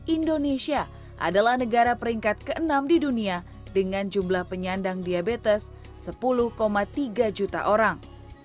indonesia adalah negara peringkat ke enam di dunia dengan jumlah penyandang diabetes sepuluh tiga juta orang